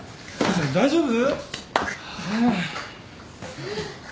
大丈夫？